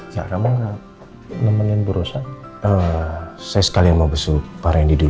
ya kamu nemenin berusaha saya sekali mau besok